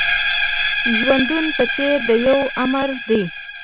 ژوندون په څېر د يوه آمر دی.